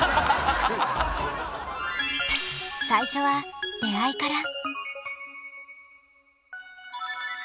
最初は出会いから。